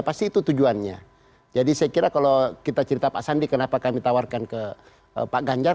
pasti itu tujuannya jadi saya kira kalau kita cerita pak sandi kenapa kami tawarkan ke pak ganjar